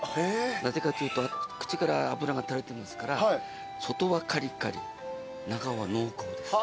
なぜかというと口から脂が垂れてますから外はカリカリ中は濃厚です。